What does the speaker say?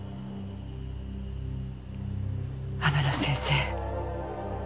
天野先生